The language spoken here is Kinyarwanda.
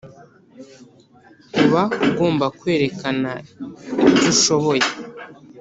uba ugomba kwerekana ibyo ushoboye